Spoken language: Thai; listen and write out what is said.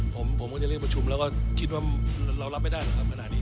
ผมก็อยากเรียกคำคุมแล้วก็คิดว่าเรารับไม่ได้หรอครับขณะนี้